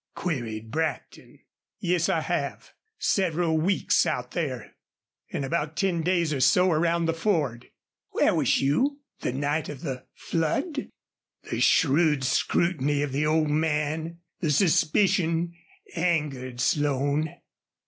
queried Brackton. "Yes, I have several weeks out there, an' about ten days or so around the Ford." "Where was you the night of the flood?" The shrewd scrutiny of the old man, the suspicion, angered Slone.